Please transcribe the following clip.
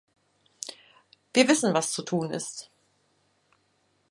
Wir wissen, was zu tun ist.